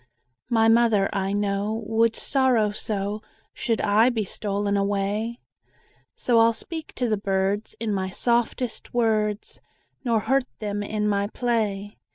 My mother, I know, Would sorrow so, Should I be stolen away; So I'll speak to the birds In my softest words, Nor hurt them in my play.